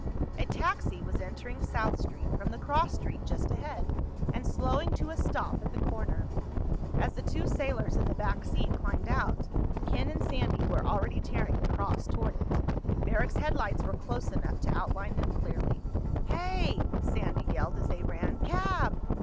A taxi was entering South Street from the cross street just ahead and slowing to a stop at the corner. As the two sailors in the back seat climbed out, Ken and Sandy were already tearing across toward it. Barrack's headlights were close enough to outline them clearly. "Hey!" Sandy yelled as they ran. "Cab!"